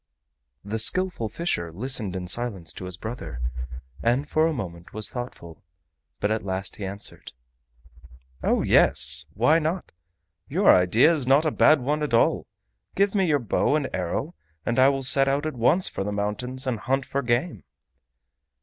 The Skillful Fisher listened in silence to his brother, and for a moment was thoughtful, but at last he answered: "O yes, why not? Your idea is not a bad one at all. Give me your bow and arrow and I will set out at once for the mountains and hunt for game."